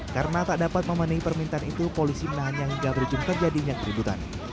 karena tak dapat memenuhi permintaan itu polisi menahan yang tidak berhubung kejadian yang terlibat